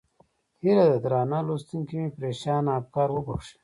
هیله ده درانه لوستونکي مې پرېشانه افکار وبښي.